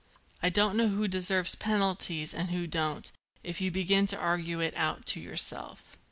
"I don't know who deserves penalties and who don't, if you begin to argue it out to yourself."